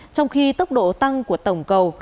trong khi tốc độ tăng của tổng cầu